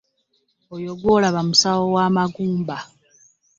Oyo gwalaba musawo wa magumba.